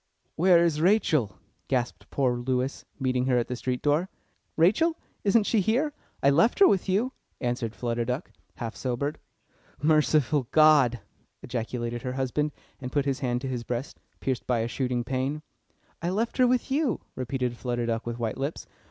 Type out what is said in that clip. "Where is Rachel?" gasped poor Lewis, meeting her at the street door. "Rachel! isn't she here? I left her with you," answered Flutter Duck, half sobered. "Merciful God!" ejaculated her husband, and put his hand to his breast, pierced by a shooting pain. "I left her with you," repeated Flutter Duck with white lips.